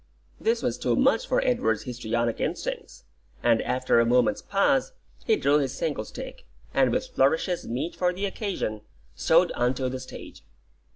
This was too much for Edward's histrionic instincts, and after a moment's pause he drew his single stick, and with flourishes meet for the occasion, strode onto the stage.